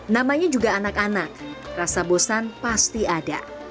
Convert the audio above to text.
namanya juga anak anak rasa bosan pasti ada